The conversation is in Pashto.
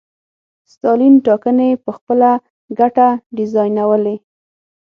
ستالین ټاکنې په خپله ګټه ډیزاینولې.